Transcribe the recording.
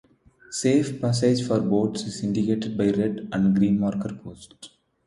Safe passage for boats is indicated by red and green marker posts.